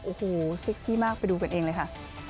โอ้โหเซ็กซี่มากไปดูกันเองเลยค่ะ